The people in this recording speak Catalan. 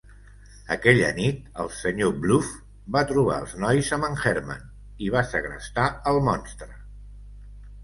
Aquella nit, el Sr. Bluff va trobar els nois amb en Herman iva segrestar el monstre.